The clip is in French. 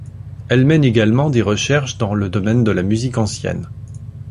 Elle mène également des recherches dans le domaine de la musique ancienne.